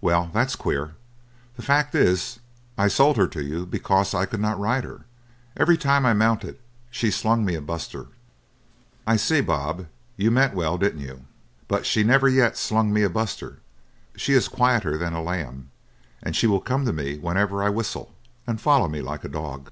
"Well, that's queer. The fact is I sold her to you because I could not ride her. Every time I mounted, she slung me a buster." "I see, Bob, you meant well, didn't you? But she never yet slung me a buster; she is quieter than a lamb, and she will come to me whenever I whistle, and follow me like a dog."